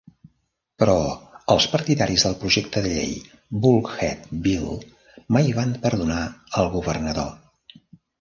Però, els partidaris del projecte de llei Bulkhead Bill mai van perdonar al governador.